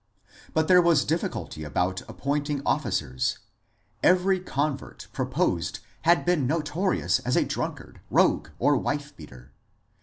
But there was difficulty about appointing officers ; every *^ convert " proposed had been noto rious as a drunkard, rogue, or wife beater.